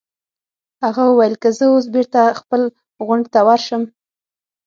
هغه وویل: که زه اوس بېرته خپل غونډ ته ورشم.